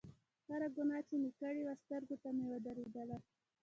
هره ګناه چې مې کړې وه سترګو ته مې ودرېدله.